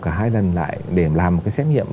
cả hai lần lại để làm một cái xét nghiệm